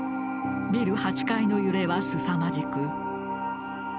ビル８階の揺れはすさまじく。